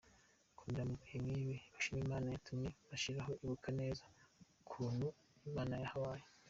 Komera mu bihe nk'ibi ushime Imana yatumye tudashiraho, ibuka neza ukuntu Imana yahabaye.